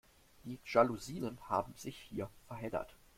Die Jalousien haben sich hier verheddert.